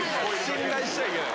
信頼しちゃいけない。